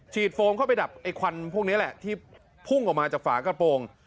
โฟมเข้าไปดับไอ้ควันพวกนี้แหละที่พุ่งออกมาจากฝากระโปรง